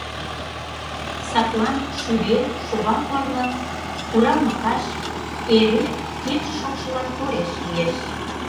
Садлан шӱре, шога корно, куралме каш эре кече шокшылан тореш лиеш.